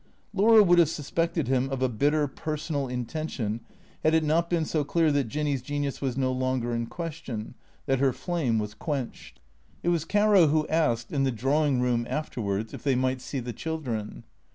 Laura would have suspected him of a bitter personal inten THECEEATOES 411 tion had it not been so clear that Jinny's genius was no longer in question, that her flame was quenched. It was Caro who asked (in the drawing room, afterwards) if they might see the children.